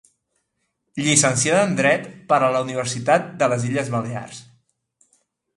Llicenciada en dret per la Universitat de les Illes Balears.